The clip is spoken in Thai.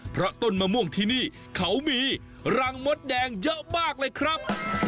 เพราะต้นมะม่วงที่นี่เขามีรังมดแดงเยอะมากเลยครับ